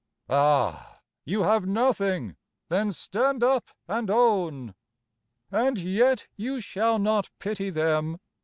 Ah, you have nothing! Then stand up and own! And yet you shall not pity them